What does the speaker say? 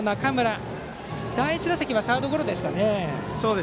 新岡は、第１打席はサードゴロでしたね。